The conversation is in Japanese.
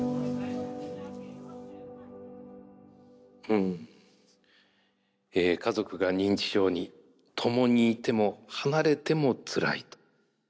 うん家族が認知症に共にいても離れてもつらいと。